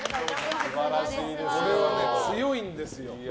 これは強いんですよ。